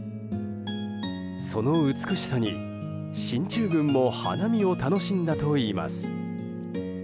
その美しさに、進駐軍も花見を楽しんだといいます。